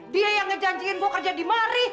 dia yang ngejanjiin gue kerja di mari